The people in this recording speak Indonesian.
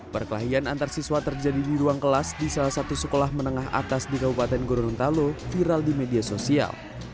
perkelahian antarsiswa terjadi di ruang kelas di salah satu sekolah menengah atas di kabupaten gorontalo viral di media sosial